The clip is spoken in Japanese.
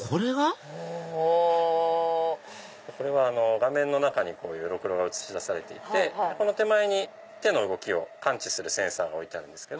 画面の中にろくろが映し出されていて手前に手の動きを感知するセンサーが置いてあるんです。